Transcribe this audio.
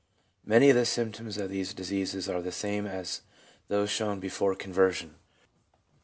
Many of the symptoms of these diseases are the same as those shown before conversion.